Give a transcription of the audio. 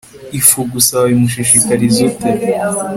ifu gusa wabimushishikariza ute